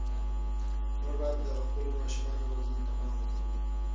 موږ باید د خپلو ماشومانو روزنې ته پام وکړو.